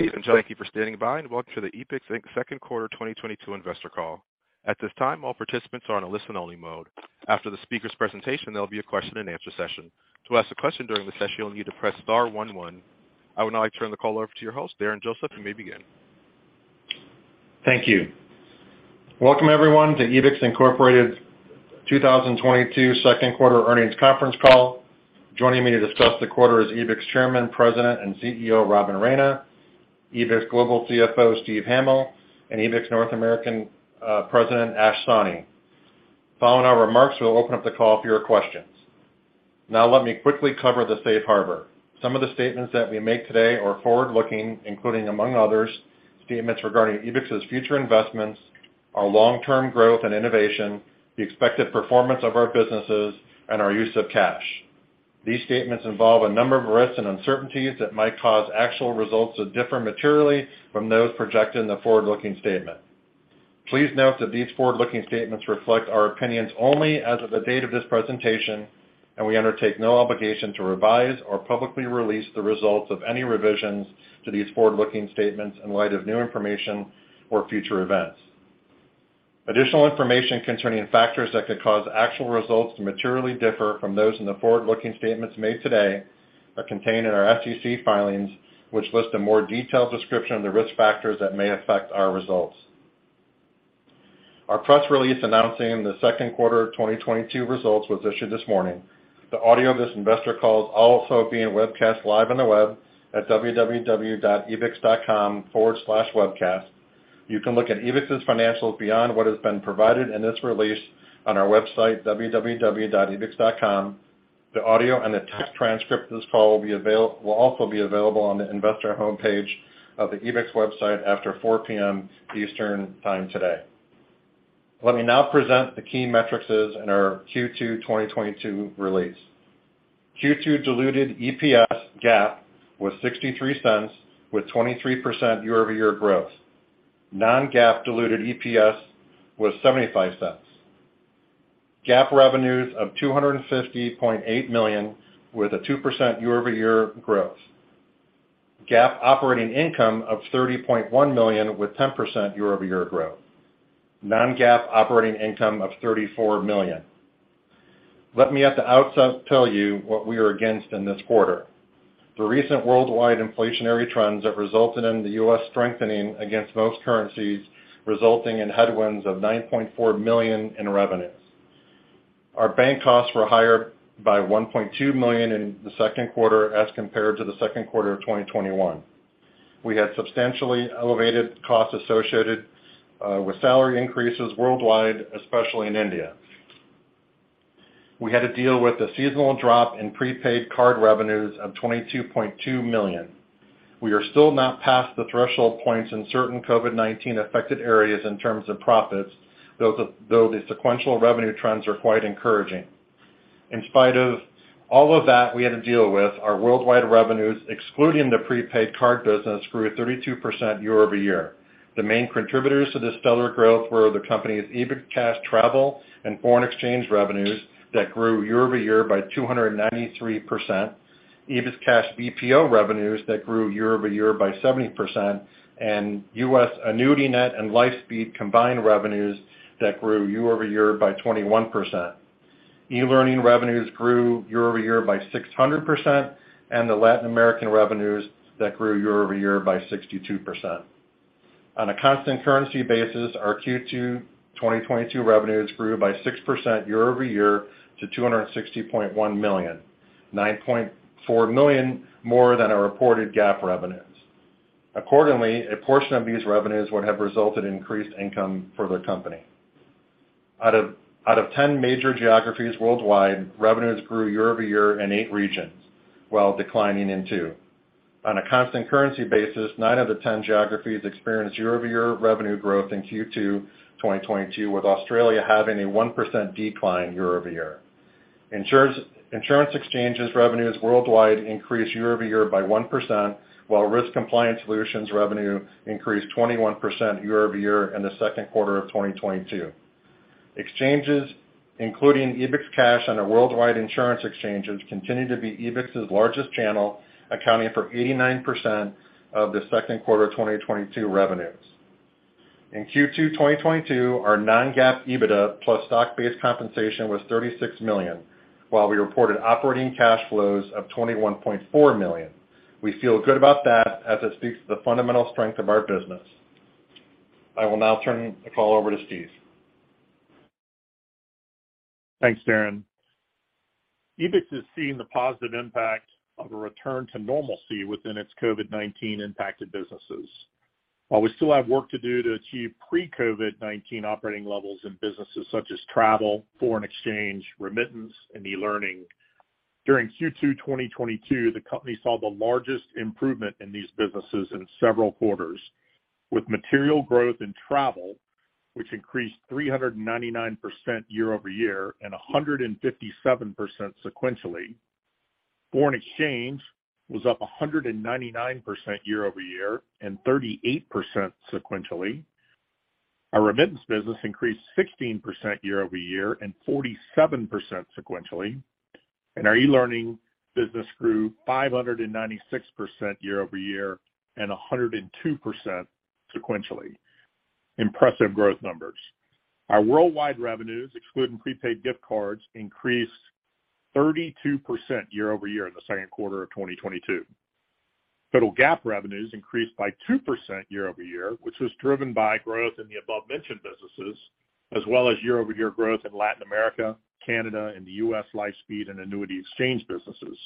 Hello, and thank you for standing by, and welcome to the Ebix, Inc. Q2 2022 Investor Call. At this time, all participants are on a listen-only mode. After the speaker's presentation, there'll be a question and answer session. To ask a question during the session, you'll need to press star one one. I would now like to turn the call over to your host, Darren Joseph. You may begin. Thank you. Welcome everyone to Ebix, Incorporated 2022 Q2 earnings conference call. Joining me to discuss the quarter is Ebix Chairman, President and CEO, Robin Raina, Ebix Global CFO, Steve Hamil, and Ebix North American President, Ash Sawhney. Following our remarks, we'll open up the call for your questions. Now let me quickly cover the safe harbor. Some of the statements that we make today are forward-looking, including among others, statements regarding Ebix's future investments, our long-term growth and innovation, the expected performance of our businesses, and our use of cash. These statements involve a number of risks and uncertainties that might cause actual results to differ materially from those projected in the forward-looking statement. Please note that these forward-looking statements reflect our opinions only as of the date of this presentation, and we undertake no obligation to revise or publicly release the results of any revisions to these forward-looking statements in light of new information or future events. Additional information concerning factors that could cause actual results to materially differ from those in the forward-looking statements made today are contained in our SEC filings, which list a more detailed description of the risk factors that may affect our results. Our press release announcing the Q2 of 2022 results was issued this morning. The audio of this investor call is also being webcast live on the web at www.ebix.com/webcast. You can look at Ebix's financials beyond what has been provided in this release on our website, www.ebix.com. The audio and the text transcript of this call will also be available on the investor homepage of the Ebix website after 4:00 P.M. Eastern time today. Let me now present the key metrics in our Q2 2022 release. Q2 diluted EPS GAAP was $0.63 with 23% year-over-year growth. Non-GAAP diluted EPS was $0.75. GAAP revenues of $250.8 million with a 2% year-over-year growth. GAAP operating income of $30.1 million with 10% year-over-year growth. Non-GAAP operating income of $34 million. Let me at the outset tell you what we are up against in this quarter. The recent worldwide inflationary trends have resulted in the U.S. strengthening against most currencies, resulting in headwinds of $9.4 million in revenues. Our bank costs were higher by $1.2 million in the Q2 as compared to the Q2 of 2021. We had substantially elevated costs associated with salary increases worldwide, especially in India. We had to deal with a seasonal drop in prepaid card revenues of $22.2 million. We are still not past the threshold points in certain COVID-19 affected areas in terms of profits, though the sequential revenue trends are quite encouraging. In spite of all of that we had to deal with, our worldwide revenues, excluding the prepaid card business, grew at 32% year-over-year. The main contributors to this stellar growth were the company's EbixCash travel and foreign exchange revenues that grew year-over-year by 293%, EbixCash BPO revenues that grew year-over-year by 70%, and U.S. AnnuityNet and LifeSpeed combined revenues that grew year-over-year by 21%. E-learning revenues grew year-over-year by 600%, and the Latin American revenues that grew year-over-year by 62%. On a constant currency basis, our Q2 2022 revenues grew by 6% year-over-year to $260.1 million, $9.4 million more than our reported GAAP revenues. Accordingly, a portion of these revenues would have resulted in increased income for the company. Out of ten major geographies worldwide, revenues grew year-over-year in eight regions, while declining in two. On a constant currency basis, nine of the 10 geographies experienced year-over-year revenue growth in Q2 2022, with Australia having a 1% decline year-over-year. Insurance exchanges revenues worldwide increased year-over-year by 1%, while risk compliance solutions revenue increased 21% year-over-year in the Q2 of 2022. Exchanges, including EbixCash on a worldwide insurance exchanges, continue to be Ebix's largest channel, accounting for 89% of the Q2 of 2022 revenues. In Q2 2022, our non-GAAP EBITDA plus stock-based compensation was $36 million, while we reported operating cash flows of $21.4 million. We feel good about that as it speaks to the fundamental strength of our business. I will now turn the call over to Steve. Thanks, Darren. Ebix has seen the positive impact of a return to normalcy within its COVID-19 impacted businesses. While we still have work to do to achieve pre-COVID-19 operating levels in businesses such as travel, foreign exchange, remittance, and e-learning, during Q2 2022, the company saw the largest improvement in these businesses in several quarters with material growth in travel, which increased 399% year-over-year and 157% sequentially. Foreign exchange was up 199% year-over-year and 38% sequentially. Our remittance business increased 16% year-over-year and 47% sequentially. Our e-learning business grew 596% year-over-year and 102% sequentially. Impressive growth numbers. Our worldwide revenues, excluding prepaid gift cards, increased 32% year-over-year in the Q2 of 2022. Total GAAP revenues increased by 2% year-over-year, which was driven by growth in the above-mentioned businesses, as well as year-over-year growth in Latin America, Canada, and the U.S. LifeSpeed and Annuity Exchange businesses.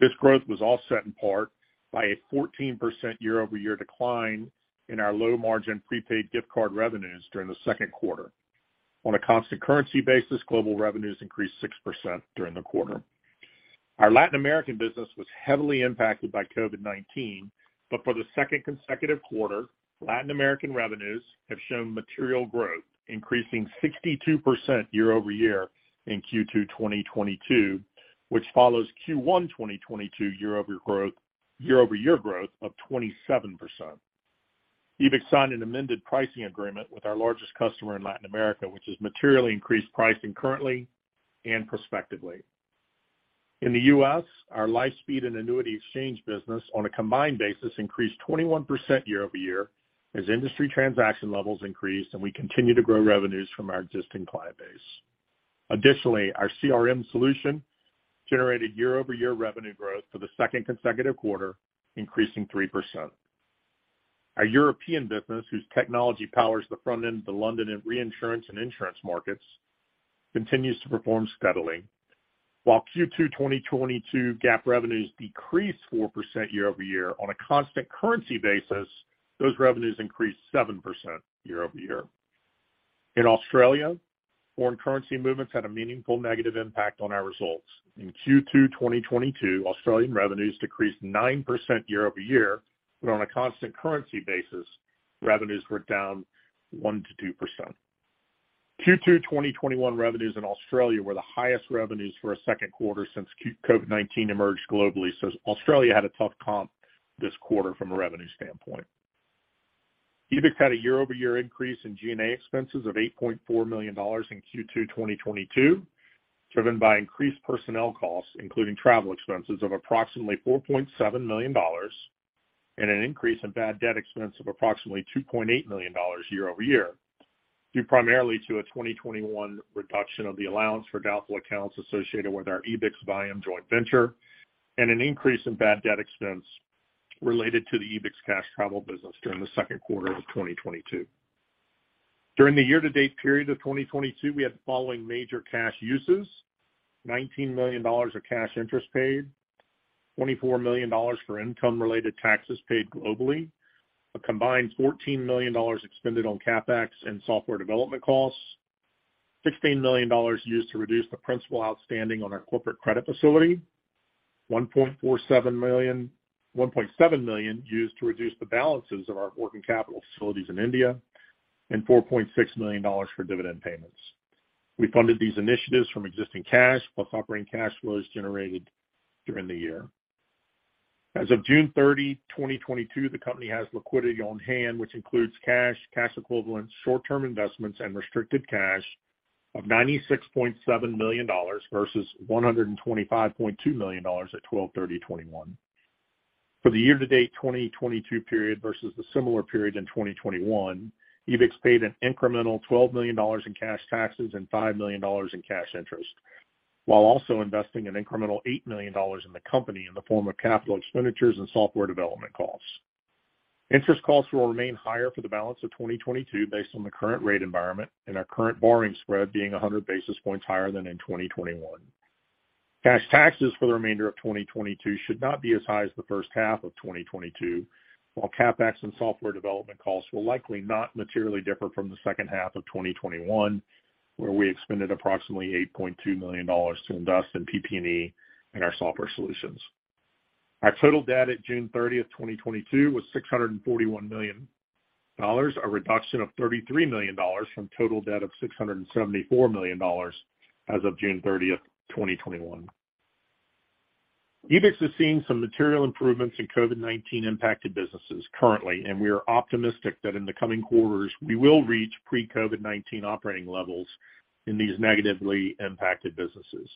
This growth was offset in part by a 14% year-over-year decline in our low margin prepaid gift card revenues during the Q2. On a constant currency basis, global revenues increased 6% during the quarter. Our Latin American business was heavily impacted by COVID-19, but for the second consecutive quarter, Latin American revenues have shown material growth, increasing 62% year-over-year in Q2 2022, which follows Q1 2022 year-over-year growth of 27%. Ebix signed an amended pricing agreement with our largest customer in Latin America, which has materially increased pricing currently and prospectively. In the U.S., our LifeSpeed and annuity exchange business on a combined basis increased 21% year-over-year as industry transaction levels increased and we continue to grow revenues from our existing client base. Additionally, our CRM solution generated year-over-year revenue growth for the second consecutive quarter, increasing 3%. Our European business, whose technology powers the front end of the London and reinsurance and insurance markets, continues to perform steadily. While Q2 2022 GAAP revenues decreased 4% year-over-year on a constant currency basis, those revenues increased 7% year-over-year. In Australia, foreign currency movements had a meaningful negative impact on our results. In Q2 2022, Australian revenues decreased 9% year-over-year, but on a constant currency basis, revenues were down 1%-2%. Q2 2021 revenues in Australia were the highest revenues for a Q2 since COVID-19 emerged globally, so Australia had a tough comp this quarter from a revenue standpoint. Ebix had a year-over-year increase in G&A expenses of $8.4 million in Q2 2022, driven by increased personnel costs, including travel expenses of approximately $4.7 million and an increase in bad debt expense of approximately $2.8 million year-over-year, due primarily to a 2021 reduction of the allowance for doubtful accounts associated with our Ebix Vayam joint venture and an increase in bad debt expense related to the EbixCash Travel business during the Q2 of 2022. During the year-to-date period of 2022, we had the following major cash uses: $19 million of cash interest paid, $24 million for income-related taxes paid globally, a combined $14 million expended on CapEx and software development costs, $16 million used to reduce the principal outstanding on our corporate credit facility, $1.7 million used to reduce the balances of our working capital facilities in India, and $4.6 million for dividend payments. We funded these initiatives from existing cash plus operating cash flows generated during the year. As of June 30, 2022, the company has liquidity on hand, which includes cash equivalents, short-term investments, and restricted cash of $96.7 million versus $125.2 million at December 31, 2021. For the year to date 2022 period versus the similar period in 2021, Ebix paid an incremental $12 million in cash taxes and $5 million in cash interest, while also investing an incremental $8 million in the company in the form of capital expenditures and software development costs. Interest costs will remain higher for the balance of 2022 based on the current rate environment and our current borrowing spread being 100 basis points higher than in 2021. Cash taxes for the remainder of 2022 should not be as high as the first half of 2022, while CapEx and software development costs will likely not materially differ from the second half of 2021, where we expended approximately $8.2 million to invest in PP&E and our software solutions. Our total debt at June 30, 2022 was $641 million, a reduction of $33 million from total debt of $674 million as of June 30, 2021. Ebix is seeing some material improvements in COVID-19 impacted businesses currently, and we are optimistic that in the coming quarters we will reach pre-COVID-19 operating levels in these negatively impacted businesses.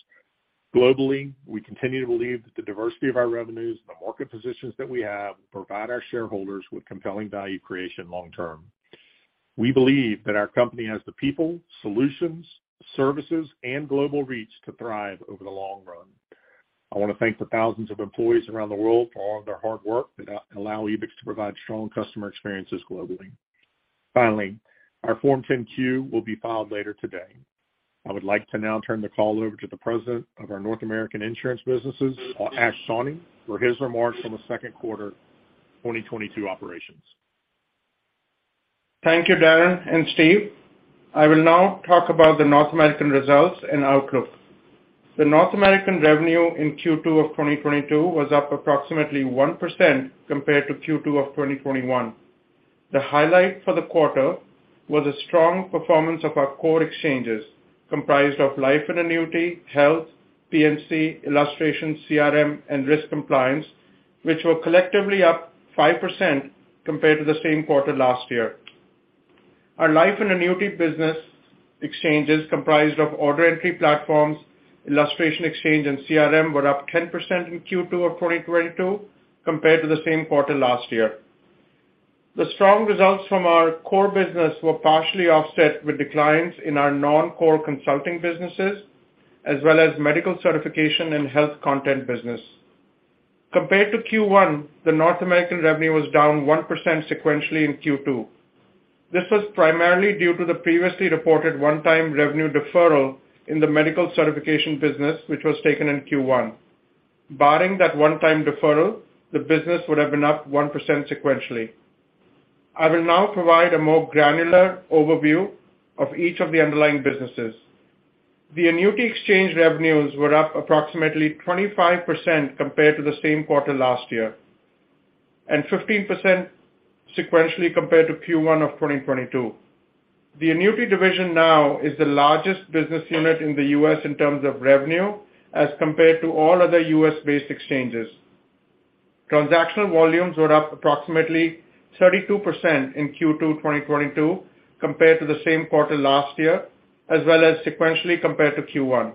Globally, we continue to believe that the diversity of our revenues and the market positions that we have provide our shareholders with compelling value creation long term. We believe that our company has the people, solutions, services, and global reach to thrive over the long run. I want to thank the thousands of employees around the world for all of their hard work that allow Ebix to provide strong customer experiences globally. Finally, our Form 10-Q will be filed later today. I would like to now turn the call over to the President of our North American insurance businesses, Ash Sawhney, for his remarks on the Q2 2022 operations. Thank you, Darren and Steve. I will now talk about the North American results and outlook. The North American revenue in Q2 of 2022 was up approximately 1% compared to Q2 of 2021. The highlight for the quarter was a strong performance of our core exchanges comprised of Life & Annuity, Health, P&C, Illustration, CRM, and Risk Compliance, which were collectively up 5% compared to the same quarter last year. Our life and annuity business exchanges comprised of order entry platforms, illustration exchange, and CRM were up 10% in Q2 of 2022 compared to the same quarter last year. The strong results from our core business were partially offset with declines in our non-core consulting businesses as well as medical certification and health content business. Compared to Q1, the North American revenue was down 1% sequentially in Q2. This was primarily due to the previously reported one-time revenue deferral in the medical certification business, which was taken in Q1. Barring that one-time deferral, the business would have been up 1% sequentially. I will now provide a more granular overview of each of the underlying businesses. The annuity exchange revenues were up approximately 25% compared to the same quarter last year, and 15% sequentially compared to Q1 of 2022. The annuity division now is the largest business unit in the U.S. in terms of revenue as compared to all other U.S.-based exchanges. Transactional volumes were up approximately 32% in Q2 2022 compared to the same quarter last year, as well as sequentially compared to Q1.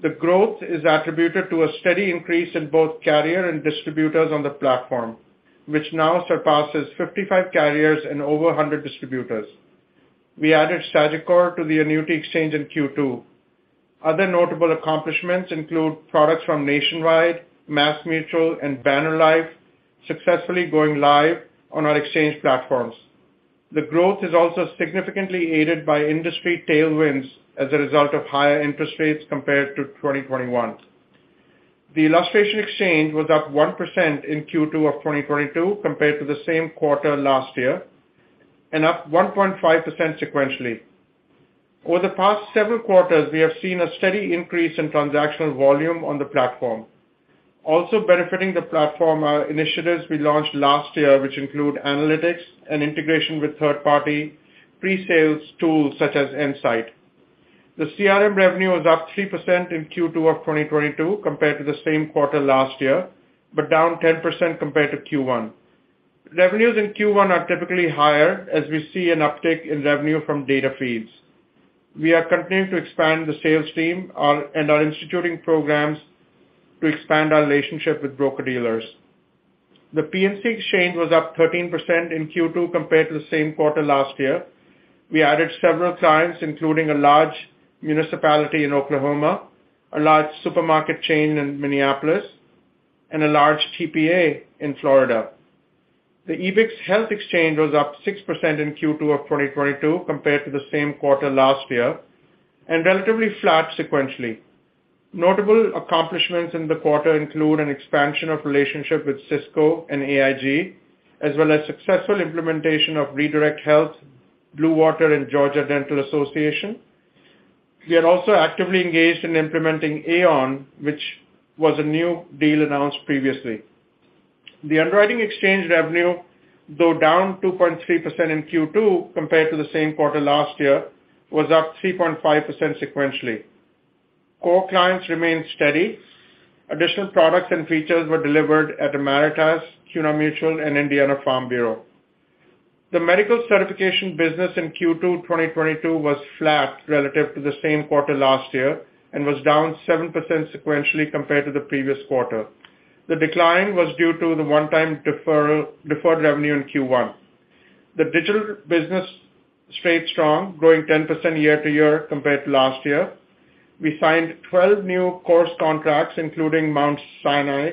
The growth is attributed to a steady increase in both carrier and distributors on the platform, which now surpasses 55 carriers and over 100 distributors. We added Strategic Core to the annuity exchange in Q2. Other notable accomplishments include products from Nationwide, MassMutual, and Banner Life successfully going live on our exchange platforms. The growth is also significantly aided by industry tailwinds as a result of higher interest rates compared to 2021. The illustration exchange was up 1% in Q2 of 2022 compared to the same quarter last year, and up 1.5% sequentially. Over the past several quarters, we have seen a steady increase in transactional volume on the platform. Also benefiting the platform are initiatives we launched last year, which include analytics and integration with third-party presales tools such as Insight. The CRM revenue was up 3% in Q2 of 2022 compared to the same quarter last year, but down 10% compared to Q1. Revenues in Q1 are typically higher as we see an uptick in revenue from data feeds. We are continuing to expand the sales team and are instituting programs to expand our relationship with broker-dealers. The P&C exchange was up 13% in Q2 compared to the same quarter last year. We added several clients, including a large municipality in Oklahoma, a large supermarket chain in Minneapolis, and a large TPA in Florida. The Ebix health exchange was up 6% in Q2 of 2022 compared to the same quarter last year, and relatively flat sequentially. Notable accomplishments in the quarter include an expansion of relationship with Cisco and AIG, as well as successful implementation of Redirect Health, Blue Water, and Georgia Dental Association. We are also actively engaged in implementing Aetna, which was a new deal announced previously. The underwriting exchange revenue, though down 2.3% in Q2 compared to the same quarter last year, was up 3.5% sequentially. Core clients remained steady. Additional products and features were delivered at Ameritas, CUNA Mutual, and Indiana Farm Bureau. The medical certification business in Q2 2022 was flat relative to the same quarter last year and was down 7% sequentially compared to the previous quarter. The decline was due to the one-time deferred revenue in Q1. The digital business stayed strong, growing 10% year-over-year compared to last year. We signed 12 new course contracts, including Mount Sinai,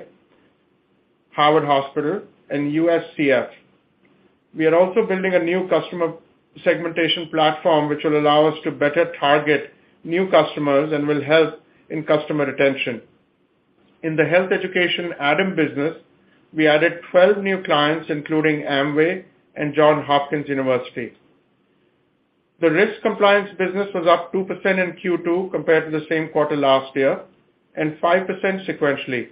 Howard Hospital, and UCSF. We are also building a new customer segmentation platform which will allow us to better target new customers and will help in customer retention. In the health education A.D.A.M. business, we added 12 new clients, including Amway and Johns Hopkins University. The risk compliance business was up 2% in Q2 compared to the same quarter last year and 5% sequentially.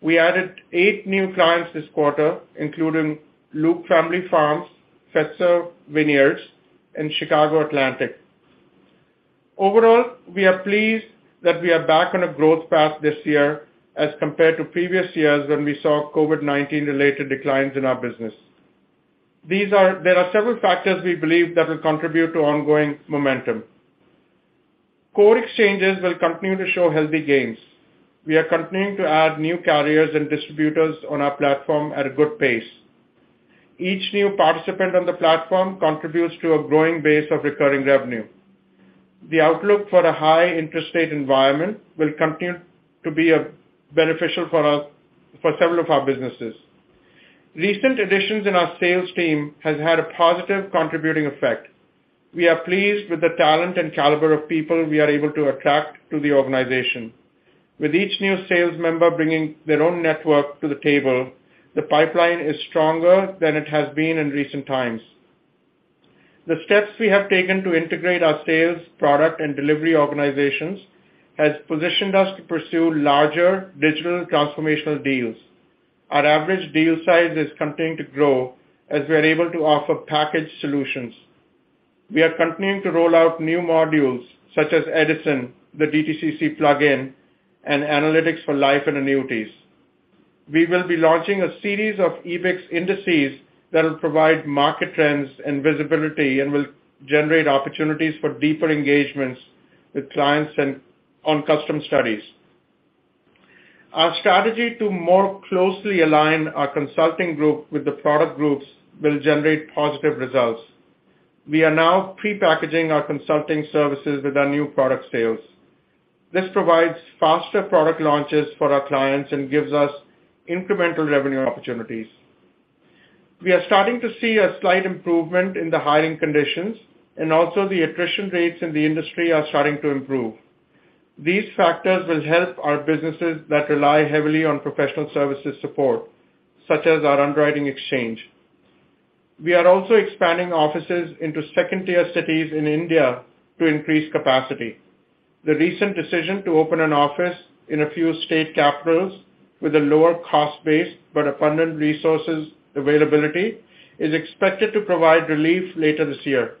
We added eight new clients this quarter, including Luke Family Farms, Fetzer Vineyards, and Chicago Atlantic. Overall, we are pleased that we are back on a growth path this year as compared to previous years when we saw COVID-19 related declines in our business. There are several factors we believe that will contribute to ongoing momentum. Core exchanges will continue to show healthy gains. We are continuing to add new carriers and distributors on our platform at a good pace. Each new participant on the platform contributes to a growing base of recurring revenue. The outlook for a high interest rate environment will continue to be beneficial for several of our businesses. Recent additions in our sales team has had a positive contributing effect. We are pleased with the talent and caliber of people we are able to attract to the organization. With each new sales member bringing their own network to the table, the pipeline is stronger than it has been in recent times. The steps we have taken to integrate our sales, product, and delivery organizations has positioned us to pursue larger digital transformational deals. Our average deal size is continuing to grow as we are able to offer packaged solutions. We are continuing to roll out new modules such as Edison, the DTCC plugin, and analytics for life and annuities. We will be launching a series of Ebix indices that will provide market trends and visibility and will generate opportunities for deeper engagements with clients and on custom studies. Our strategy to more closely align our consulting group with the product groups will generate positive results. We are now prepackaging our consulting services with our new product sales. This provides faster product launches for our clients and gives us incremental revenue opportunities. We are starting to see a slight improvement in the hiring conditions, and also the attrition rates in the industry are starting to improve. These factors will help our businesses that rely heavily on professional services support, such as our underwriting exchange. We are also expanding offices into second-tier cities in India to increase capacity. The recent decision to open an office in a few state capitals with a lower cost base but abundant resources availability is expected to provide relief later this year.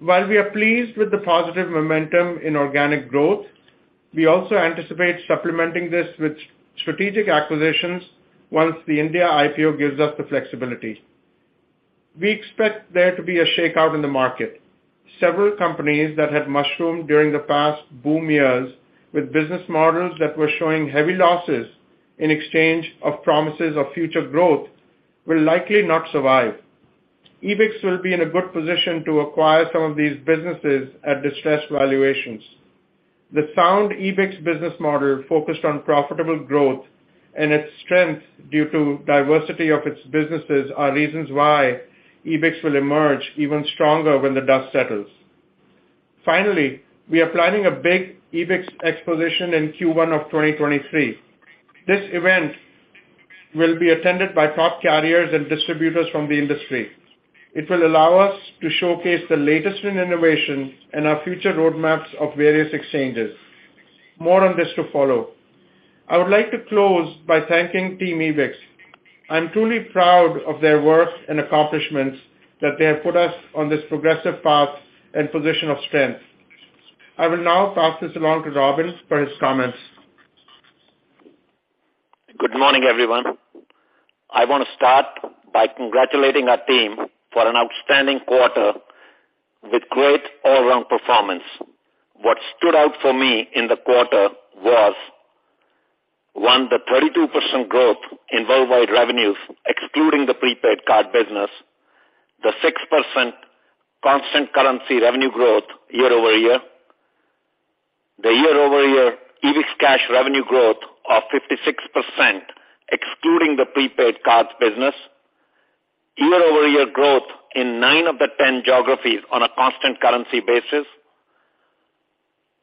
While we are pleased with the positive momentum in organic growth, we also anticipate supplementing this with strategic acquisitions once the India IPO gives us the flexibility. We expect there to be a shakeout in the market. Several companies that have mushroomed during the past boom years with business models that were showing heavy losses in exchange for promises of future growth will likely not survive. Ebix will be in a good position to acquire some of these businesses at distressed valuations. The sound Ebix business model focused on profitable growth and its strength due to diversity of its businesses are reasons why Ebix will emerge even stronger when the dust settles. Finally, we are planning a big Ebix exposition in Q1 of 2023. This event will be attended by top carriers and distributors from the industry. It will allow us to showcase the latest in innovation and our future roadmaps of various exchanges. More on this to follow. I would like to close by thanking team Ebix. I'm truly proud of their work and accomplishments that they have put us on this progressive path and position of strength. I will now pass this along to Robin for his comments. Good morning, everyone. I wanna start by congratulating our team for an outstanding quarter with great all around performance. What stood out for me in the quarter was, one, the 32% growth in worldwide revenues excluding the prepaid card business, the 6% constant currency revenue growth year-over-year, the year-over-year EbixCash revenue growth of 56% excluding the prepaid cards business, year-over-year growth in nine of the 10 geographies on a constant currency basis,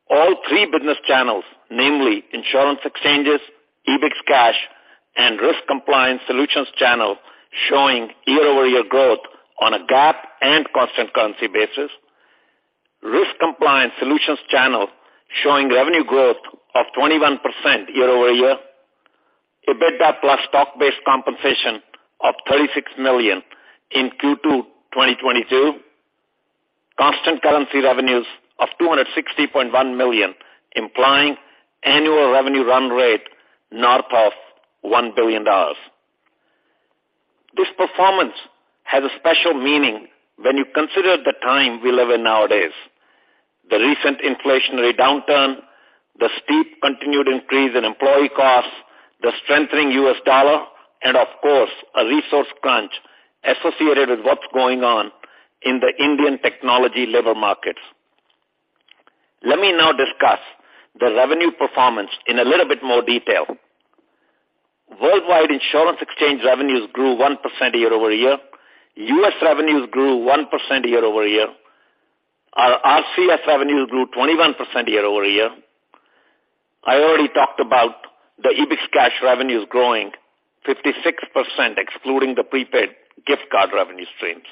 all three business channels, namely insurance exchanges, EbixCash, and risk compliance solutions channel showing year-over-year growth on a GAAP and constant currency basis, risk compliance solutions channel showing revenue growth of 21% year-over-year, EBITDA plus stock-based compensation of $36 million in Q2 2022, constant currency revenues of $260.1 million, implying annual revenue run rate north of $1 billion. This performance has a special meaning when you consider the time we live in nowadays. The recent inflationary downturn, the steep continued increase in employee costs, the strengthening U.S. dollar, and of course, a resource crunch associated with what's going on in the Indian technology labor markets. Let me now discuss the revenue performance in a little bit more detail. Worldwide insurance exchange revenues grew 1% year-over-year. U.S. revenues grew 1% year-over-year. Our RCS revenues grew 21% year-over-year. I already talked about the EbixCash revenues growing 56% excluding the prepaid gift card revenue streams.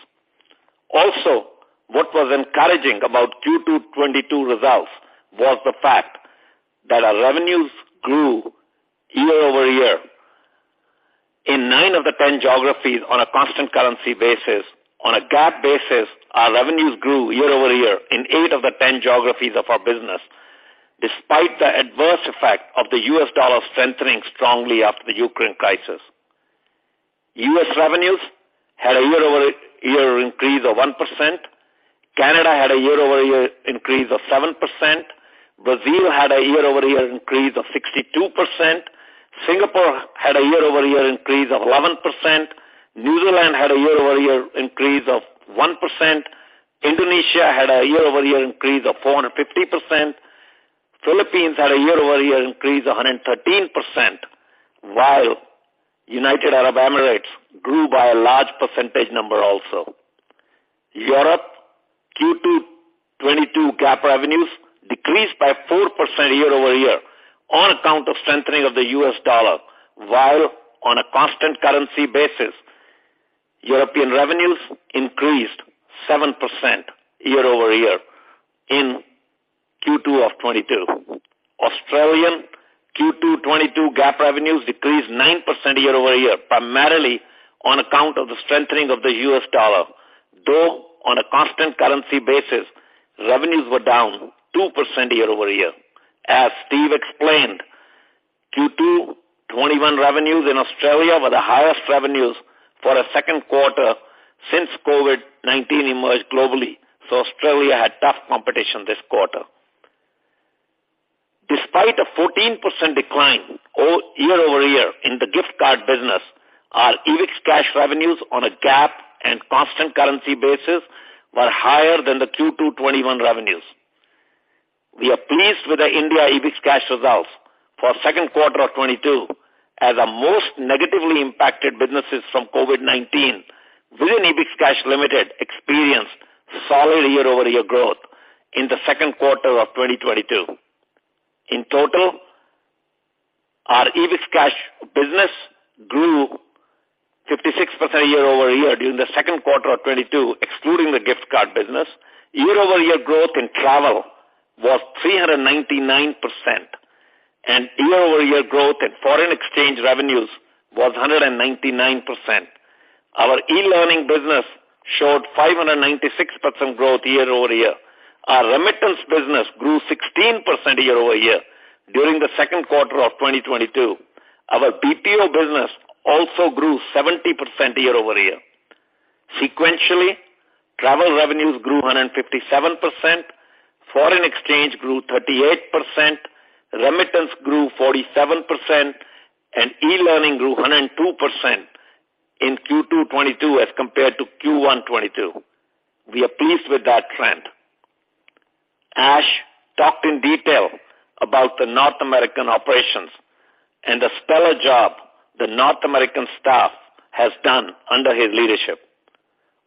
Also, what was encouraging about Q2 2022 results was the fact that our revenues grew year-over-year in 9 of the 10 geographies on a constant currency basis. On a GAAP basis, our revenues grew year-over-year in eight of the 10 geographies of our business, despite the adverse effect of the U.S. dollar strengthening strongly after the Ukraine crisis. U.S. revenues had a year-over-year increase of 1%. Canada had a year-over-year increase of 7%. Brazil had a year-over-year increase of 62%. Singapore had a year-over-year increase of 11%. New Zealand had a year-over-year increase of 1%. Indonesia had a year-over-year increase of 450%. Philippines had a year-over-year increase of 113%, while United Arab Emirates grew by a large percentage number also. Europe Q2 2022 GAAP revenues decreased by 4% year-over-year on account of strengthening of the U.S. dollar, while on a constant currency basis, European revenues increased 7% year-over-year in Q2 of 2022. Australia Q2 2022 GAAP revenues decreased 9% year-over-year, primarily on account of the strengthening of the U.S. dollar, though on a constant currency basis, revenues were down 2% year-over-year. As Steve explained, Q2 2021 revenues in Australia were the highest revenues for a Q2 since COVID-19 emerged globally, so Australia had tough competition this quarter. Despite a 14% decline year-over-year in the gift card business, our EbixCash revenues on a GAAP and constant currency basis were higher than the Q2 2021 revenues. We are pleased with the EbixCash results for Q2 of 2022 as our most negatively impacted businesses from COVID-19 within EbixCash Limited experienced solid year-over-year growth in the Q2 of 2022. In total, our EbixCash business grew 56% year-over-year during the Q2 of 2022, excluding the gift card business. Year-over-year growth in travel was 399%, and year-over-year growth in foreign exchange revenues was 199%. Our e-learning business showed 596% growth year-over-year. Our remittance business grew 16% year-over-year during the Q2 of 2022. Our BPO business also grew 70% year-over-year. Sequentially, travel revenues grew 157%, foreign exchange grew 38%, remittance grew 47%, and e-learning grew 102% in Q2 2022 as compared to Q1 2022. We are pleased with that trend. Ash talked in detail about the North American operations and the stellar job the North American staff has done under his leadership.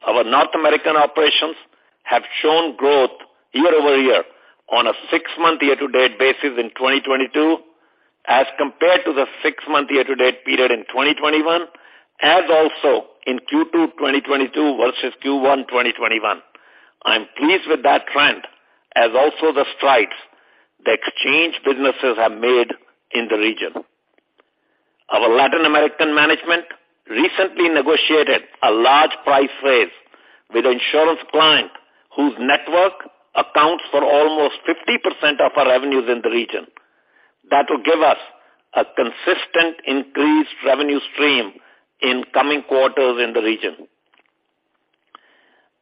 Our North American operations have shown growth year-over-year on a six-month year-to-date basis in 2022 as compared to the six-month year-to-date period in 2021, as also in Q2 2022 versus Q1 2021. I'm pleased with that trend, as also the strides the exchange businesses have made in the region. Our Latin American management recently negotiated a large price raise with an insurance client whose network accounts for almost 50% of our revenues in the region. That will give us a consistent increased revenue stream in coming quarters in the region.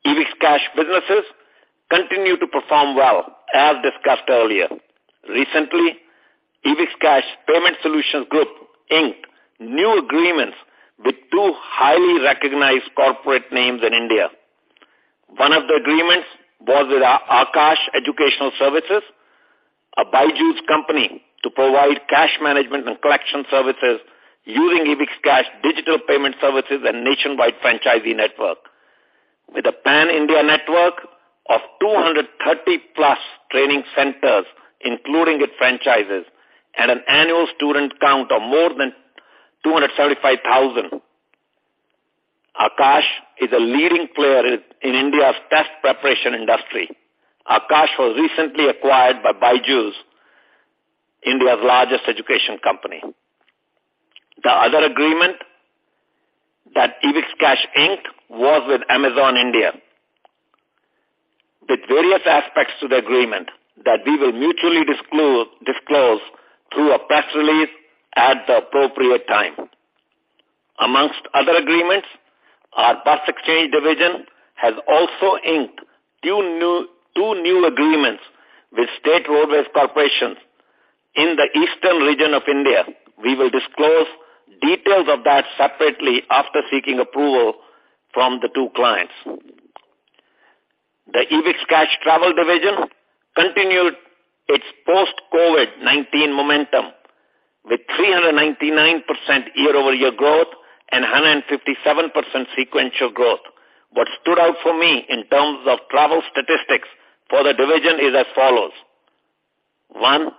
EbixCash businesses continue to perform well, as discussed earlier. Recently, EbixCash Payment Solutions Group inked new agreements with two highly recognized corporate names in India. One of the agreements was with Aakash Educational Services, a BYJU'S company, to provide cash management and collection services using EbixCash digital payment services and nationwide franchisee network. With a pan-India network of 230-plus training centers, including its franchises, and an annual student count of more than 275,000, Aakash is a leading player in India's test preparation industry. Aakash was recently acquired by BYJU'S, India's largest education company. The other agreement that EbixCash inked was with Amazon India with various aspects to the agreement that we will mutually disclose through a press release at the appropriate time. Among other agreements, our bus exchange division has also inked two new agreements with state roadways corporations in the eastern region of India. We will disclose details of that separately after seeking approval from the two clients. The EbixCash travel division continued its post-COVID-19 momentum with 399% year-over-year growth and 157% sequential growth. What stood out for me in terms of travel statistics for the division is as follows. One,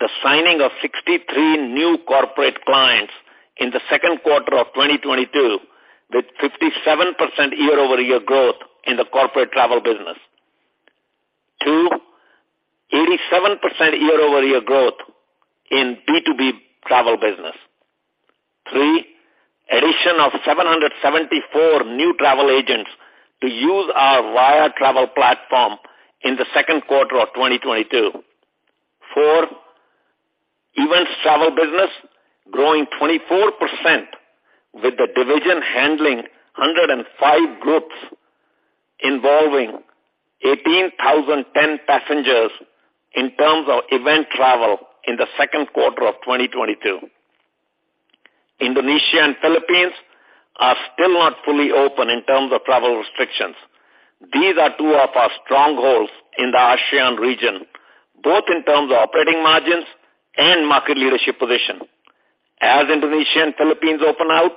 the signing of 63 new corporate clients in the Q2 of 2022, with 57% year-over-year growth in the corporate travel business. Two, 87% year-over-year growth in B2B travel business. Three, addition of 774 new travel agents to use our Via Travel platform in the Q2 of 2022. Four, events travel business growing 24% with the division handling 105 groups involving 18,010 passengers in terms of event travel in the Q2 of 2022. Indonesia and Philippines are still not fully open in terms of travel restrictions. These are two of our strongholds in the ASEAN region, both in terms of operating margins and market leadership position. As Indonesia and Philippines open up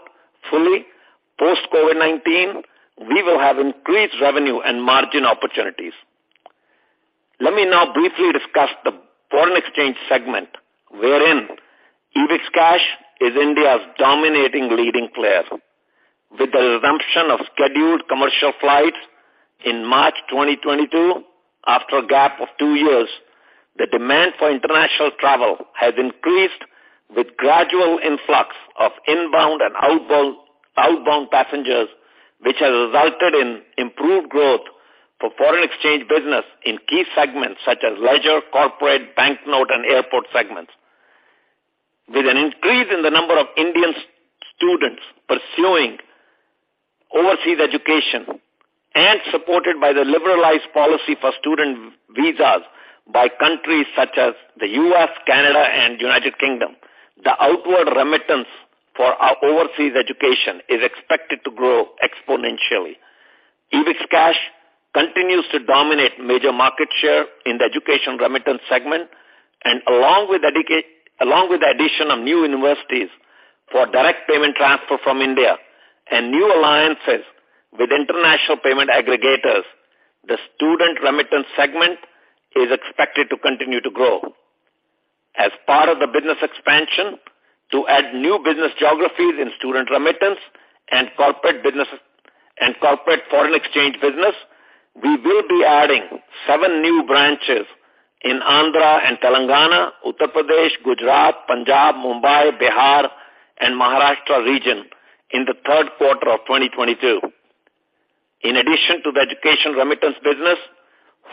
fully post COVID-19, we will have increased revenue and margin opportunities. Let me now briefly discuss the foreign exchange segment wherein EbixCash is India's dominant leading player. With the resumption of scheduled commercial flights in March 2022 after a gap of two years, the demand for international travel has increased with gradual influx of inbound and outbound passengers, which has resulted in improved growth for foreign exchange business in key segments such as leisure, corporate, banknote, and airport segments. With an increase in the number of Indian students pursuing overseas education and supported by the liberalized policy for student visas by countries such as the U.S., Canada, and United Kingdom, the outward remittance for our overseas education is expected to grow exponentially. EbixCash continues to dominate major market share in the education remittance segment. Along with the addition of new universities for direct payment transfer from India and new alliances with international payment aggregators, the student remittance segment is expected to continue to grow. As part of the business expansion to add new business geographies in student remittance and corporate foreign exchange business, we will be adding seven new branches in Andhra and Telangana, Uttar Pradesh, Gujarat, Punjab, Mumbai, Bihar, and Maharashtra region in the Q3 of 2022. In addition to the education remittance business,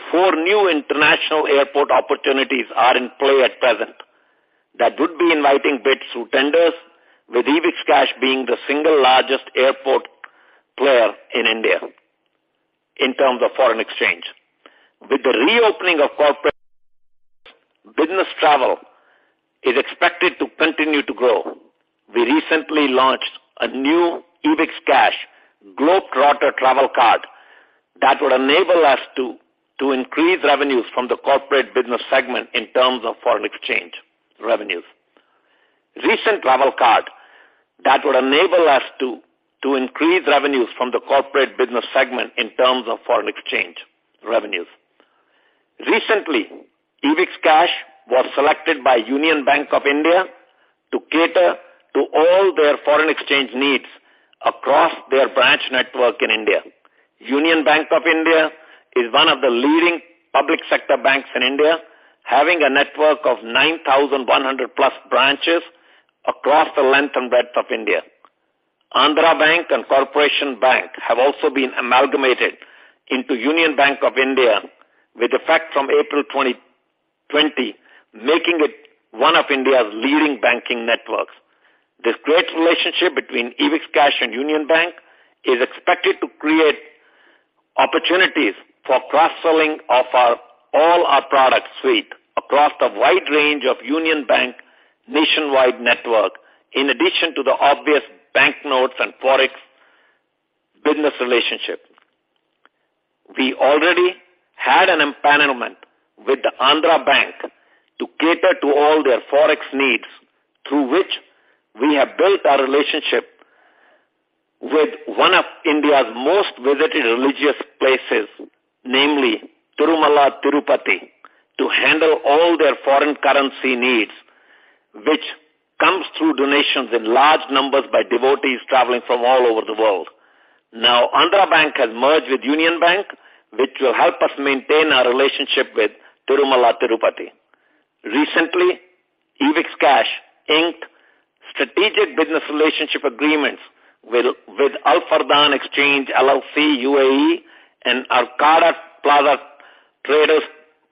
four new international airport opportunities are in play at present that would be inviting bids through tenders, with EbixCash being the single largest airport player in India in terms of foreign exchange. With the reopening of corporate, business travel is expected to continue to grow. We recently launched a new EbixCash Globetrotter travel card that would enable us to increase revenues from the corporate business segment in terms of foreign exchange revenues. Recently, EbixCash was selected by Union Bank of India to cater to all their foreign exchange needs across their branch network in India. Union Bank of India is one of the leading public sector banks in India, having a network of 9,100+ branches across the length and breadth of India. Andhra Bank and Corporation Bank have also been amalgamated into Union Bank of India with effect from April 2020, making it one of India's leading banking networks. This great relationship between EbixCash and Union Bank is expected to create opportunities for cross-selling of all our product suite across the wide range of Union Bank nationwide network, in addition to the obvious banknotes and Forex business relationship. We already had an empanelment with the Andhra Bank to cater to all their Forex needs, through which we have built our relationship with one of India's most visited religious places, namely Tirumala Tirupati, to handle all their foreign currency needs, which comes through donations in large numbers by devotees traveling from all over the world. Now, Andhra Bank has merged with Union Bank, which will help us maintain our relationship with Tirumala Tirupati. Recently, EbixCash inked strategic business relationship agreements with Al Fardan Exchange LLC., UAE, and Arcade Plaza Traders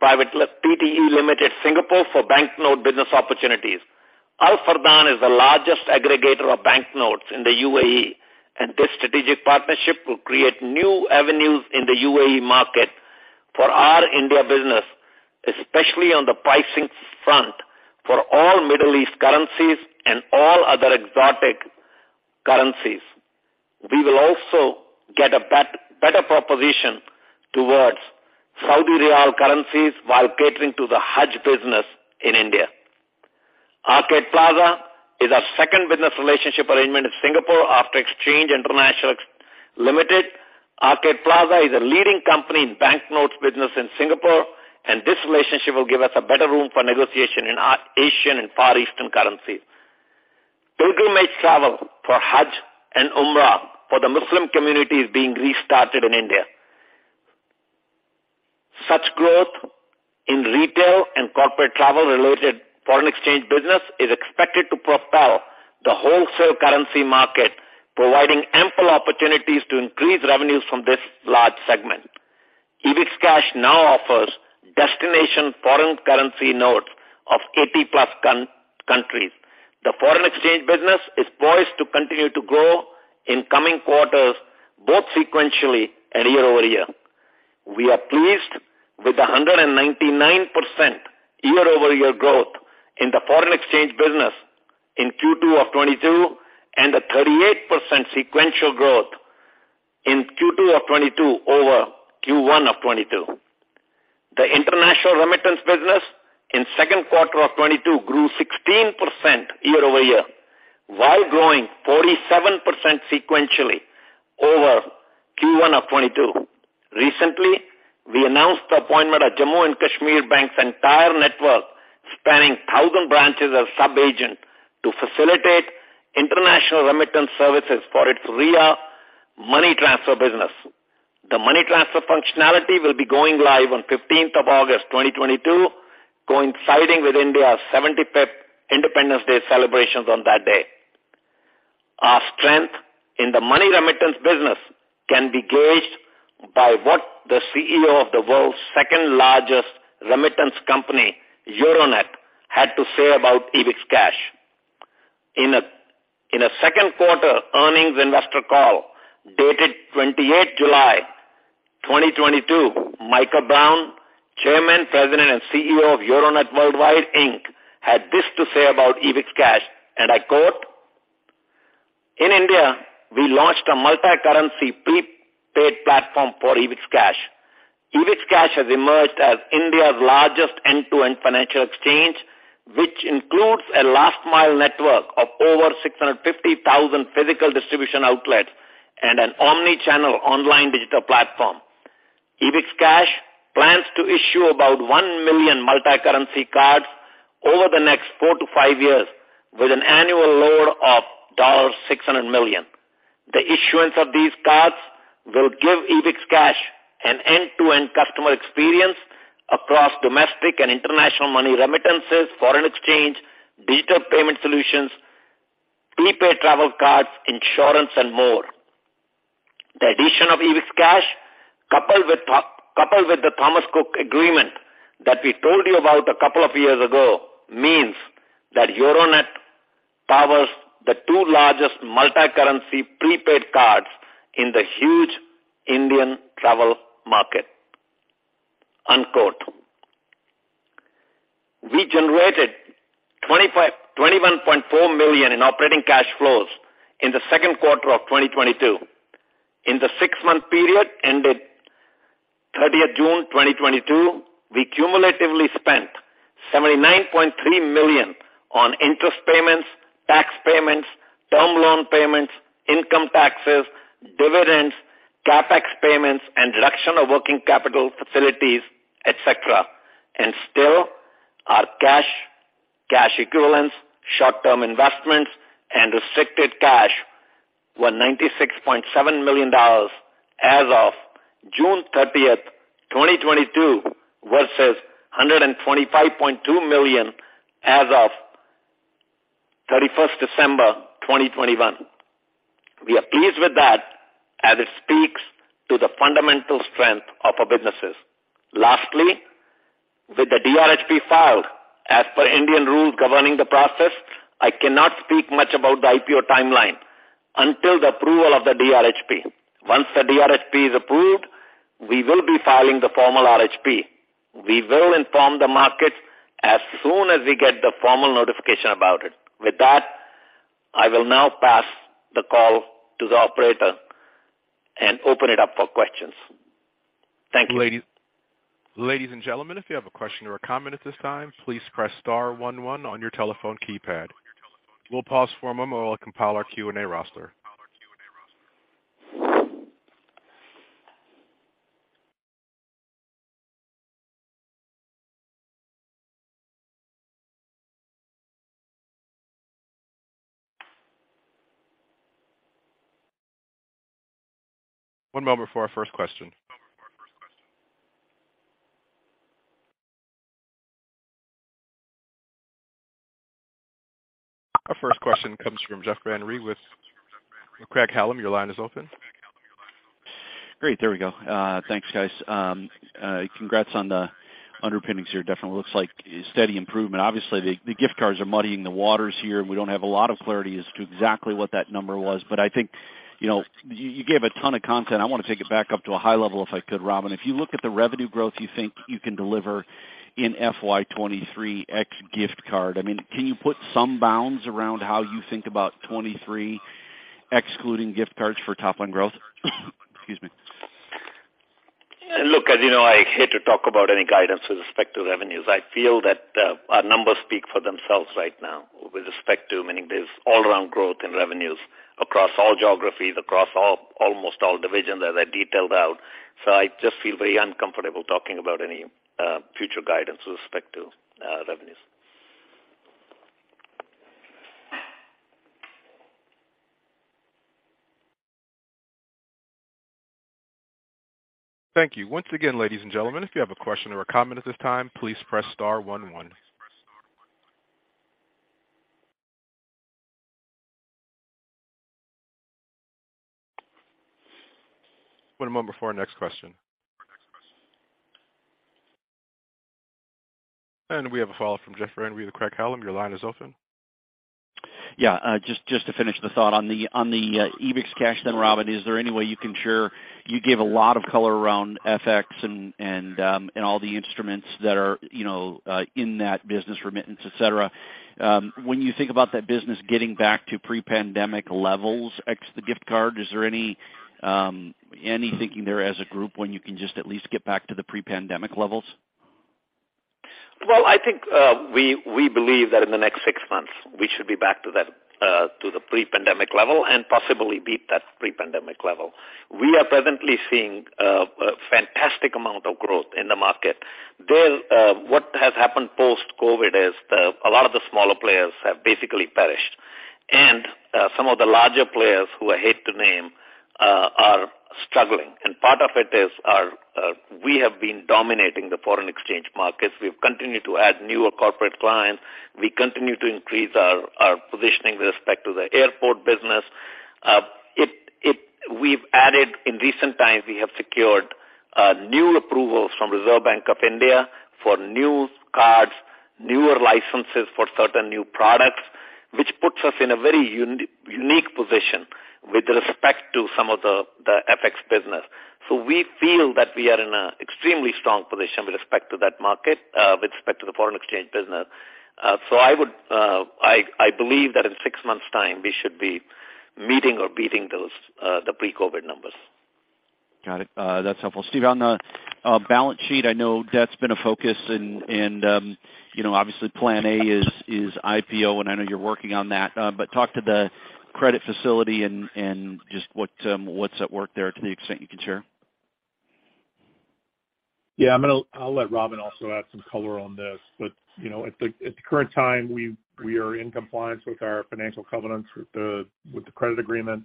Pte Ltd, Singapore, for banknote business opportunities. Al Fardan is the largest aggregator of banknotes in the UAE, and this strategic partnership will create new avenues in the UAE market for our India business, especially on the pricing front for all Middle East currencies and all other exotic currencies. We will also get a better proposition towards Saudi Riyal currencies while catering to the Hajj business in India. Arcade Plaza is our second business relationship arrangement in Singapore after Xchange International Limited. Arcade Plaza is a leading company in banknotes business in Singapore, and this relationship will give us a better room for negotiation in our Asian and Far Eastern currencies. Pilgrimage travel for Hajj and Umrah for the Muslim community is being restarted in India. Such growth in retail and corporate travel related foreign exchange business is expected to propel the wholesale currency market, providing ample opportunities to increase revenues from this large segment. EbixCash now offers destination foreign currency notes of 80+ countries. The foreign exchange business is poised to continue to grow in coming quarters, both sequentially and year-over-year. We are pleased with the 199% year-over-year growth in the foreign exchange business in Q2 of 2022 and a 38% sequential growth in Q2 of 2022 over Q1 of 2022. The international remittance business in Q2 of 2022 grew 16% year-over-year, while growing 47% sequentially in Q1 of 2022. Recently, we announced the appointment of Jammu & Kashmir Bank's entire network, spanning 1,000 branches, as sub-agent, to facilitate international remittance services for its Ria Money Transfer business. The money transfer functionality will be going live on August 15th, 2022, coinciding with India's 75th Independence Day celebrations on that day. Our strength in the money remittance business can be gauged by what the CEO of the world's second largest remittance company, Euronet, had to say about EbixCash. In a Q2 earnings investor call, dated July 28th, 2022, Michael Brown, Chairman, President, and CEO of Euronet Worldwide, Inc., had this to say about EbixCash, and I quote, "In India, we launched a multicurrency prepaid platform for EbixCash. EbixCash has emerged as India's largest end-to-end financial exchange, which includes a last mile network of over 650,000 physical distribution outlets and an omni-channel online digital platform. EbixCash plans to issue about one million multicurrency cards over the next 4-5 years with an annual load of $600 million. The issuance of these cards will give EbixCash an end-to-end customer experience across domestic and international money remittances, foreign exchange, digital payment solutions, prepaid travel cards, insurance, and more. The addition of EbixCash, coupled with the Thomas Cook agreement that we told you about a couple of years ago, means that Euronet powers the two largest multicurrency prepaid cards in the huge Indian travel market." Unquote. We generated $21.4 million in operating cash flows in the Q2 of 2022. In the six-month period ended thirtieth June 2022, we cumulatively spent $79.3 million on interest payments, tax payments, term loan payments, income taxes, dividends, CapEx payments, and reduction of working capital facilities, et cetera. And still, our cash equivalents, short-term investments, and restricted cash were $96.7 million as of June 30, 2022, versus $125.2 million as of December 31, 2021. We are pleased with that as it speaks to the fundamental strength of our businesses. Lastly, with the DRHP filed, as per Indian rules governing the process, I cannot speak much about the IPO timeline until the approval of the DRHP. Once the DRHP is approved, we will be filing the formal RHP. We will inform the market as soon as we get the formal notification about it. With that, I will now pass the call to the operator and open it up for questions. Thank you. Ladies and gentlemen, if you have a question or a comment at this time, please press star one one on your telephone keypad. We'll pause for a moment while I compile our Q&A roster. One moment before our first question. Our first question comes from Jeff Van Rhee with Craig-Hallum. Your line is open. Great. There we go. Thanks, guys. Congrats on the underpinnings here. Definitely looks like steady improvement. Obviously, the gift cards are muddying the waters here, and we don't have a lot of clarity as to exactly what that number was. But I think, you know, you gave a ton of content. I wanna take it back up to a high level if I could, Robin. If you look at the revenue growth you think you can deliver in FY 2023 ex gift card, I mean, can you put some bounds around how you think about 2023 excluding gift cards for top line growth? Excuse me. Look, as you know, I hate to talk about any guidance with respect to revenues. I feel that our numbers speak for themselves right now with respect to many of these all around growth in revenues across all geographies, across almost all divisions as I detailed out. So I just feel very uncomfortable talking about any future guidance with respect to revenues. Thank you. Once again, ladies and gentlemen, if you have a question or a comment at this time, please press star one one. One moment before our next question. We have a follow-up from Jeff Van Rhee with Craig-Hallum. Your line is open. Yeah, just to finish the thought. On the EbixCash then, Robin, is there any way you can share. You gave a lot of color around FX and all the instruments that are, you know, in that business, remittance, et cetera. When you think about that business getting back to pre-pandemic levels, ex the gift card, is there any thinking there as a group when you can just at least get back to the pre-pandemic levels? Well, I think we believe that in the next six months, we should be back to that, to the pre-pandemic level and possibly beat that pre-pandemic level. We are presently seeing a fantastic amount of growth in the market. What has happened post-COVID is a lot of the smaller players have basically perished. Some of the larger players who I hate to name are struggling. Part of it is we have been dominating the foreign exchange markets. We've continued to add newer corporate clients. We continue to increase our positioning with respect to the airport business. We've added, in recent times, we have secured new approvals from Reserve Bank of India for new cards, newer licenses for certain new products, which puts us in a very unique position with respect to some of the FX business. So we feel that we are in an extremely strong position with respect to that market, with respect to the foreign exchange business. So I would, I believe that in six months' time, we should be meeting or beating those pre-COVID numbers. Got it. That's helpful. Steve, on the balance sheet, I know debt's been a focus and you know, obviously plan A is IPO, and I know you're working on that. But talk to the credit facility and just what's at work there to the extent you can share. Yeah, I'll let Robin also add some color on this. But, you know, at the current time, we are in compliance with our financial covenants with the credit agreement,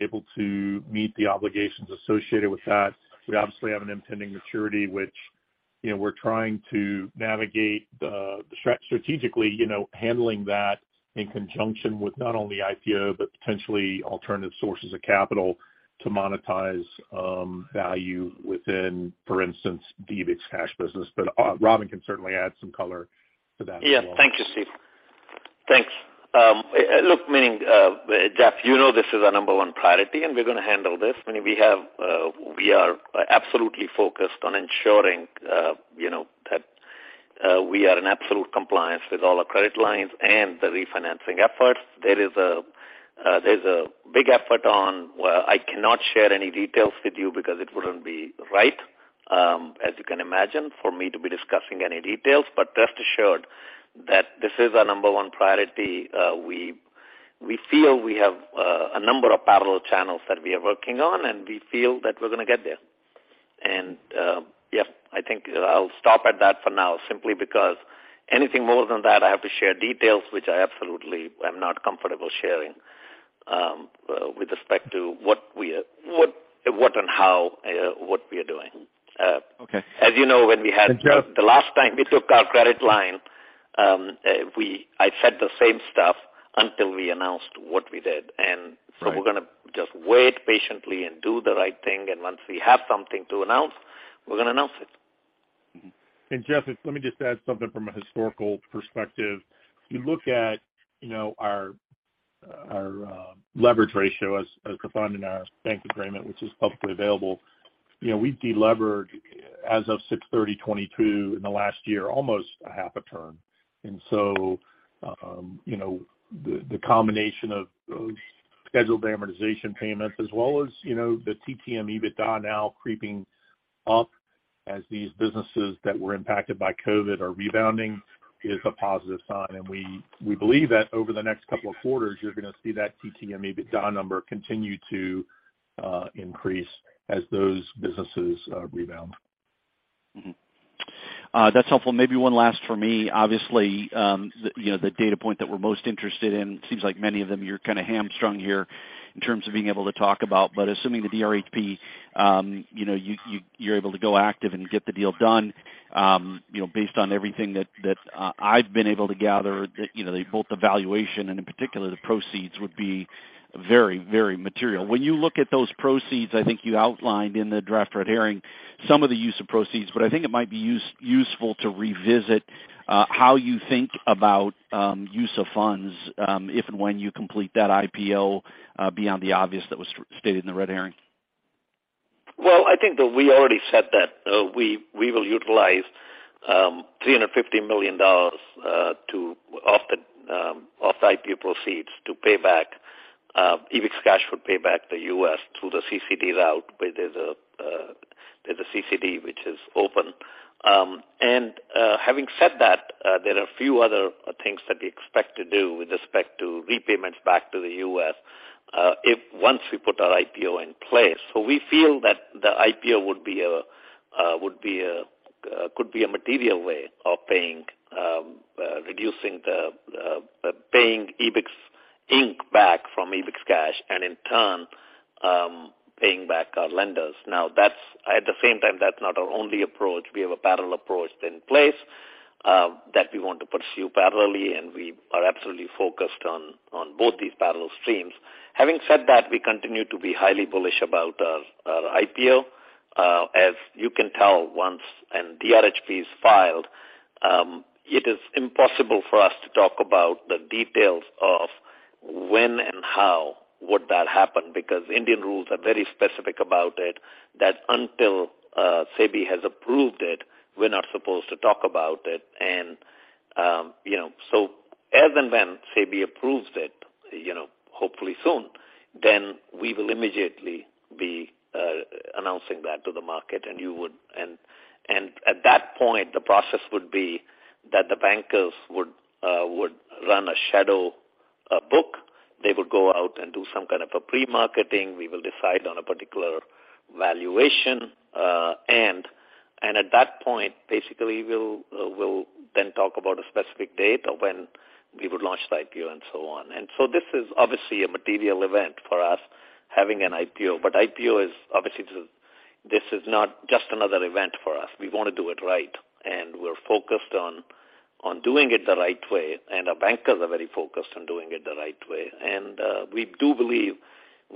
able to meet the obligations associated with that. We obviously have an impending maturity, which, you know, we're trying to navigate strategically, you know, handling that in conjunction with not only IPO, but potentially alternative sources of capital to monetize value within, for instance, the EbixCash business. But Robin can certainly add some color to that as well. Yeah. Thank you, Steve. Thanks. Look, Jeff, you know, this is our number one priority, and we're gonna handle this. I mean, we are absolutely focused on ensuring, you know, that we are in absolute compliance with all our credit lines and the refinancing efforts. There's a, there's a big effort on. I cannot share any details with you because it wouldn't be right, as you can imagine, for me to be discussing any details. But rest assured that this is our number one priority. We feel we have a number of parallel channels that we are working on, and we feel that we're gonna get there. And I think I'll stop at that for now, simply because anything more than that, I have to share details which I absolutely am not comfortable sharing, with respect to what and how we are doing. Okay. As you know, when we had. Thanks, Jeff. The last time we took our credit line, I said the same stuff until we announced what we did. Right. We're gonna just wait patiently and do the right thing, and once we have something to announce, we're gonna announce it. Mm-hmm. And Jeff, let me just add something from a historical perspective. If you look at, you know, our leverage ratio as defined in our bank agreement, which is publicly available, you know, we've deleveraged as of 6/30/2022 in the last year, almost a half a turn. And so, you know, the combination of those scheduled amortization payments as well as, you know, the TTM EBITDA now creeping up as these businesses that were impacted by COVID are rebounding is a positive sign. We believe that over the next couple of quarters, you're gonna see that TTM EBITDA number continue to increase as those businesses rebound. That's helpful. Maybe one last for me. Obviously, you know, the data point that we're most interested in, seems like many of them, you're kinda hamstrung here in terms of being able to talk about. But assuming the DRHP, you know, you're able to go active and get the deal done, you know, based on everything that I've been able to gather, you know, both the valuation and in particular the proceeds would be very, very material. When you look at those proceeds, I think you outlined in the draft red herring some of the use of proceeds, but I think it might be useful to revisit, how you think about, use of funds, if and when you complete that IPO, beyond the obvious that was stated in the red herring. Well, I think that we already said that, we will utilize $350 million of the IPO proceeds to pay back. EbixCash would pay back the U.S through the CCD route. There's a CCD which is open. And having said that, there are a few other things that we expect to do with respect to repayments back to the U.S., once we put our IPO in place. So we feel that the IPO could be a material way of paying Ebix, Inc. back from EbixCash and in turn paying back our lenders. Now at the same time, that's not our only approach. We have a parallel approach in place that we want to pursue parallelly, and we are absolutely focused on both these parallel streams. Having said that, we continue to be highly bullish about our IPO. As you can tell once a DRHP is filed, it is impossible for us to talk about the details of when and how would that happen, because Indian rules are very specific about it, that until SEBI has approved it, we're not supposed to talk about it. And you know, so, as and when SEBI approves it, hopefully soon, then we will immediately be announcing that to the market, and at that point, the process would be that the bankers would run a shadow book. They would go out and do some kind of a pre-marketing. We will decide on a particular valuation, and at that point, basically we'll then talk about a specific date of when we would launch the IPO and so on. And so this is obviously a material event for us, having an IPO, but IPO. This is not just another event for us. We wanna do it right, and we're focused on doing it the right way, and our bankers are very focused on doing it the right way. And we do believe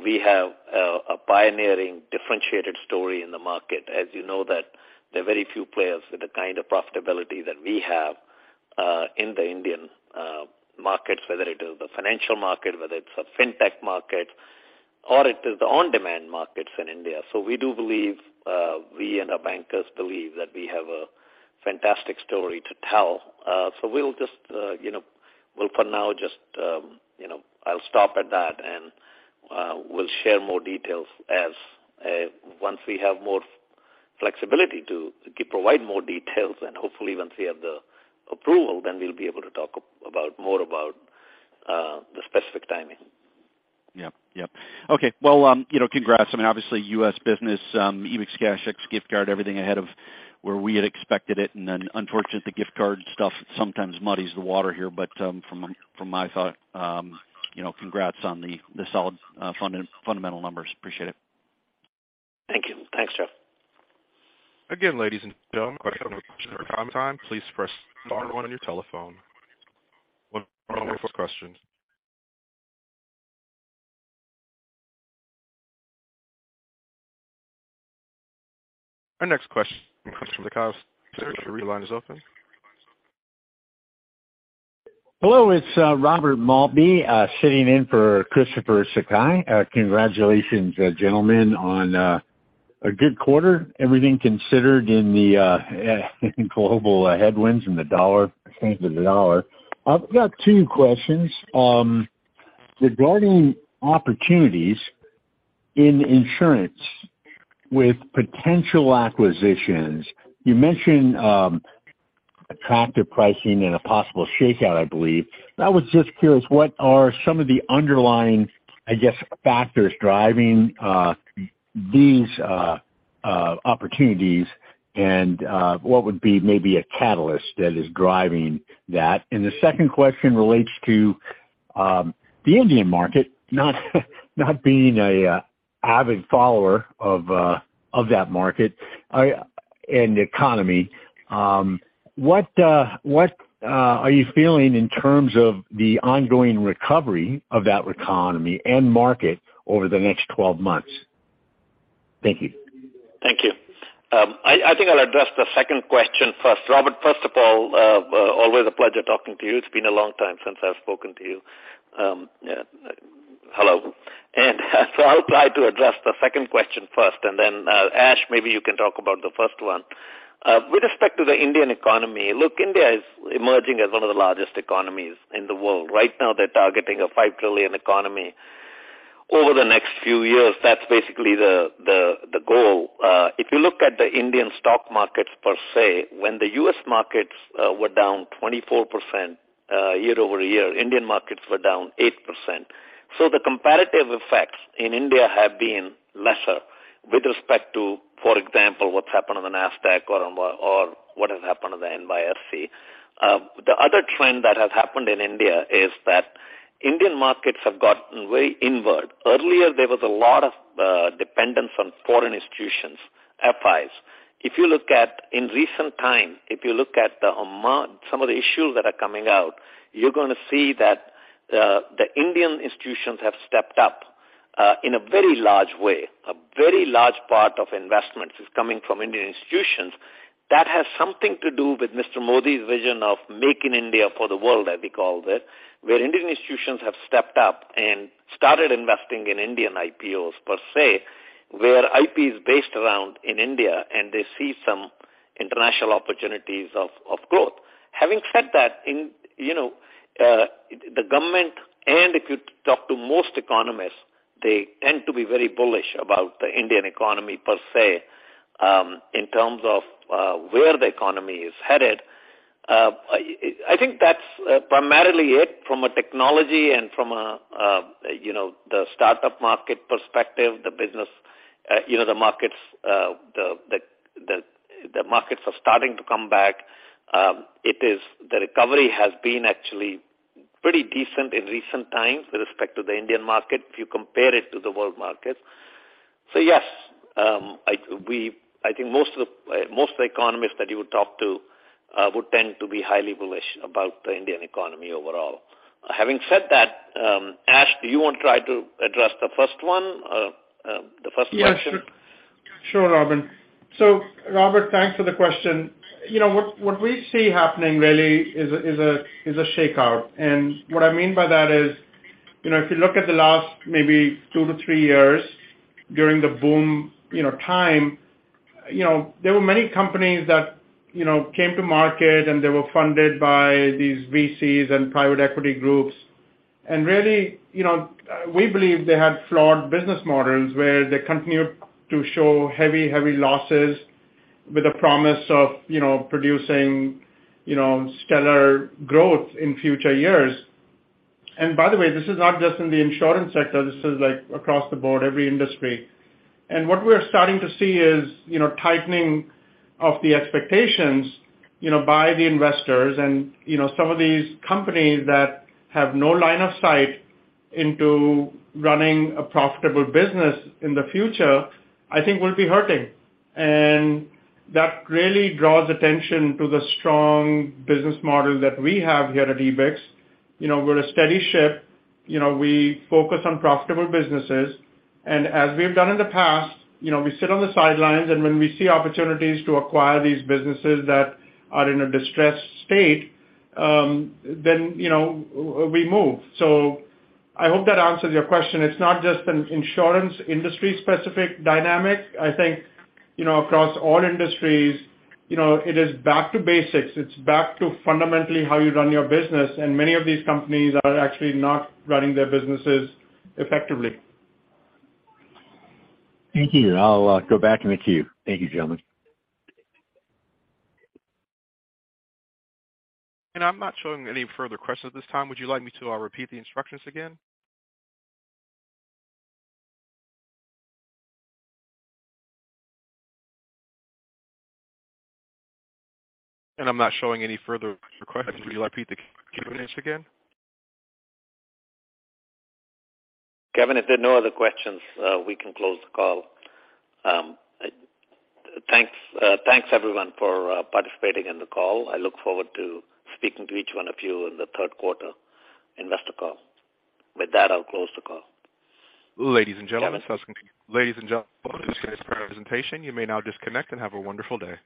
we have a pioneering differentiated story in the market. As you know that there are very few players with the kind of profitability that we have in the Indian markets, whether it is the financial market, whether it's a fintech market or it is the on-demand markets in India. So we do believe we and our bankers believe that we have a fantastic story to tell. So we'll just, you know, we'll for now just, you know, I'll stop at that and we'll share more details as once we have more flexibility to provide more details and hopefully once we have the approval, then we'll be able to talk about more about the specific timing. Yeah. Yeah. Okay. Well, you know, congrats. I mean, obviously U.S. business, EbixCash Gift Card, everything ahead of where we had expected it. Unfortunately, the gift card stuff sometimes muddies the water here. But from my side, you know, congrats on the solid fundamental numbers. Appreciate it. Thank you. Thanks, Jeff. Again, ladies and gentlemen, if you have any questions at this time, please press star one on your telephone. One for questions. Our next question comes from the Sir, your line is open. Hello, it's Robert Maltbie sitting in for Christopher Sakai. Congratulations, gentlemen, on a good quarter, everything considered in the global headwinds and the dollar strength of the dollar. I've got two questions. Regarding opportunities in insurance with potential acquisitions, you mentioned attractive pricing and a possible shakeout, I believe. I was just curious, what are some of the underlying, I guess, factors driving these opportunities and what would be maybe a catalyst that is driving that? And the second question relates to the Indian market, not being an avid follower of that market and the economy. What, what are you feeling in terms of the ongoing recovery of that economy and market over the next 12 months? Thank you. Thank you. I think I'll address the second question first. Robert, first of all, always a pleasure talking to you. It's been a long time since I've spoken to you. Hello. So I'll try to address the second question first, and then, Ash, maybe you can talk about the first one. With respect to the Indian economy, look, India is emerging as one of the largest economies in the world. Right now they're targeting a $5 trillion economy over the next few years. That's basically the goal. If you look at the Indian stock markets per se, when the U.S. markets were down 24%, year-over-year, Indian markets were down 8%. So the comparative effects in India have been lesser with respect to, for example, what's happened on the Nasdaq or on the NYSE. The other trend that has happened in India is that Indian markets have gotten way inward. Earlier, there was a lot of dependence on foreign institutions, FIs. If you look at in recent time, the amount, some of the issues that are coming out, you're gonna see that, the Indian institutions have stepped up, in a very large way. A very large part of investments is coming from Indian institutions. That has something to do with Mr. Modi's vision of making India for the world, as we call it, where Indian institutions have stepped up and started investing in Indian IPOs per se, where IP is based around in India and they see some international opportunities of growth. Having said that, you know, the government and if you talk to most economists, they tend to be very bullish about the Indian economy per se, in terms of where the economy is headed. I think that's primarily it from a technology and from a you know, the start-up market perspective, the business, the markets are starting to come back. It is, the recovery has been actually pretty decent in recent times with respect to the Indian market if you compare it to the world markets. So yes, I think most of the economists that you would talk to would tend to be highly bullish about the Indian economy overall. Having said that, Ash, do you want to try to address the first one, the first question? Yeah, sure. Sure, Robin. So Robert, thanks for the question. You know, what we see happening really is a shakeout. And what I mean by that is, you know, if you look at the last maybe two to three years during the boom time. You know, there were many companies that, you know, came to market, and they were funded by these VCs and private equity groups. And really, you know, we believe they had flawed business models where they continued to show heavy losses with a promise of, you know, producing, you know, stellar growth in future years. By the way, this is not just in the insurance sector, this is like across the board, every industry. And what we're starting to see is, you know, tightening of the expectations, you know, by the investors and, you know, some of these companies that have no line of sight into running a profitable business in the future, I think will be hurting. And that really draws attention to the strong business model that we have here at Ebix. You know, we're a steady ship. You know, we focus on profitable businesses. And as we've done in the past, you know, we sit on the sidelines, and when we see opportunities to acquire these businesses that are in a distressed state, then, you know, we move. So I hope that answers your question. It's not just an insurance industry specific dynamic. I think, you know, across all industries, you know, it is back to basics. It's back to fundamentally how you run your business. Many of these companies are actually not running their businesses effectively. Thank you. I'll go back in the queue. Thank you, gentlemen. I'm not showing any further questions at this time. Would you like me to repeat the instructions again? Kevin, if there are no other questions, we can close the call. Thanks everyone for participating in the call. I look forward to speaking to each one of you in the Q3 investor call. With that, I'll close the call. Ladies and gentlemen. Kevin? Ladies and gentlemen, this concludes today's presentation. You may now disconnect and have a wonderful day.